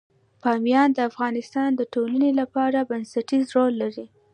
بامیان د افغانستان د ټولنې لپاره بنسټيز رول لري.